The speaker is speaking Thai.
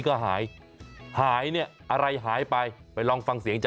เพราะว่าล้อหายอย่างเดียว